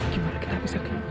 gimana kita bisa ke dunia